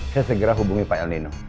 saya segera hubungi pak el nino